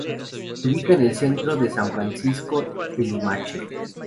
Se ubica en el centro de San Francisco de Limache.